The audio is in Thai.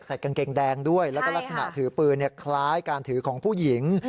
กางเกงแดงด้วยแล้วก็ลักษณะถือปืนคล้ายการถือของผู้หญิง